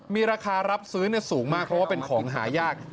มีราคารับซื้อสูงมากเพราะว่าเป็นของหายาก